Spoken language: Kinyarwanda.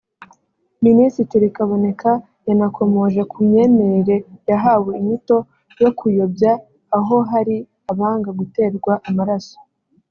Minisitiri Kaboneka yanakomoje ku myemerere yahawe inyito yo kuyobya aho hari abanga guterwa amaraso